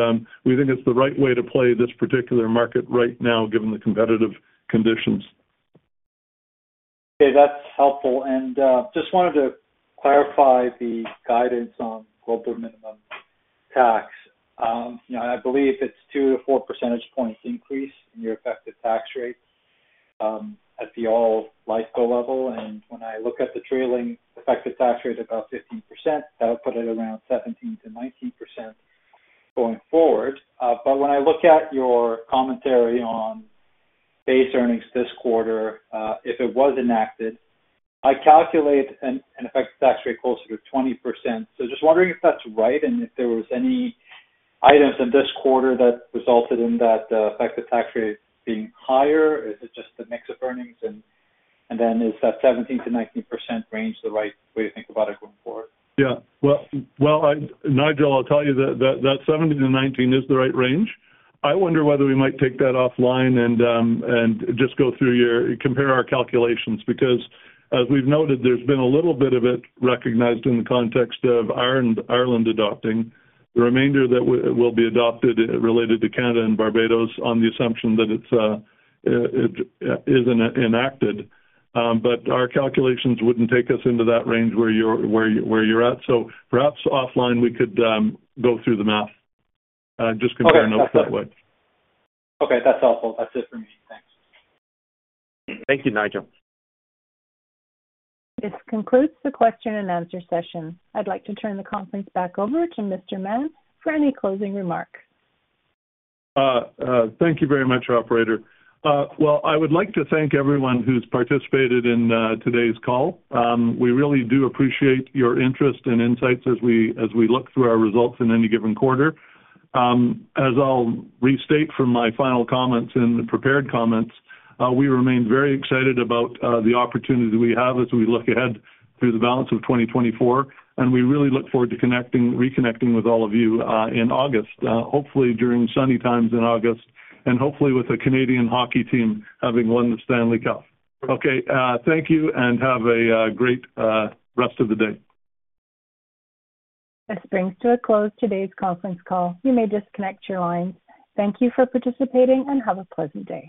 we think it's the right way to play this particular market right now, given the competitive conditions. Okay, that's helpful. And just wanted to clarify the guidance on global minimum tax. You know, I believe it's 2-4 percentage points increase in your effective tax rate at the Lifeco level. And when I look at the trailing effective tax rate, about 15%, that'll put it around 17%-19% going forward. But when I look at your commentary on base earnings this quarter, if it was enacted, I calculate an effective tax rate closer to 20%. So just wondering if that's right, and if there was any items in this quarter that resulted in that effective tax rate being higher? Is it just the mix of earnings? And then is that 17%-19% range the right way to think about it going forward? Yeah. Well, Nigel, I'll tell you that 17-19 is the right range. I wonder whether we might take that offline and just go through your compare our calculations because, as we've noted, there's been a little bit of it recognized in the context of Ireland adopting. The remainder that will be adopted related to Canada and Barbados on the assumption that it is enacted. But our calculations wouldn't take us into that range where you're at. So perhaps offline, we could go through the math just compare notes that way. Okay, that's helpful. That's it for me. Thanks. Thank you, Nigel. This concludes the question and answer session. I'd like to turn the conference back over to Mr. Mahon for any closing remarks. Thank you very much, operator. Well, I would like to thank everyone who's participated in today's call. We really do appreciate your interest and insights as we look through our results in any given quarter. As I'll restate from my final comments in the prepared comments, we remain very excited about the opportunity we have as we look ahead through the balance of 2024, and we really look forward to connecting, reconnecting with all of you in August, hopefully during sunny times in August, and hopefully with the Canadian hockey team having won the Stanley Cup. Okay, thank you, and have a great rest of the day. This brings to a close today's conference call. You may disconnect your lines. Thank you for participating, and have a pleasant day.